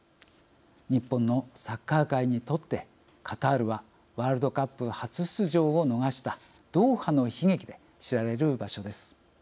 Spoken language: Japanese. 日本のサッカー界にとってカタールはワールドカップ初出場を逃したドーハの悲劇で知られる場所です。